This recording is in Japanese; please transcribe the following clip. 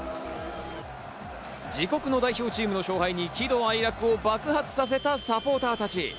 自国の代表チームの勝敗に喜怒哀楽を爆発させたサポーターたち。